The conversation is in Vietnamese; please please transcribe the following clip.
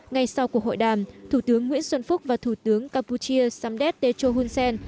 ngay sau cuộc hội đàm thủ tướng nguyễn xuân phúc và thủ tướng campuchia samdet techo hunsen